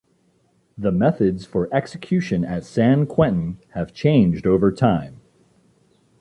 The methods for execution at San Quentin have changed over time.